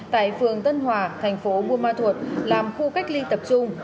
tại phường tân hòa thành phố buôn ma thuột làm khu cách ly tập trung